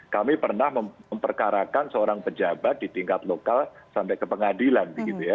kami pernah memperkarakan seorang pejabat di tingkat lokal sampai ke pengadilan